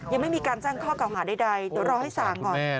ยังไม่มีการสร้างข้อเกล่าหาใดเดี๋ยวรอให้สั่งก่อนคือแม่เนอะ